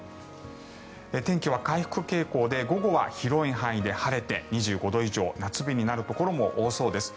天気は回復傾向で午後は広い範囲で晴れて２５度以上、夏日になるところも多そうです。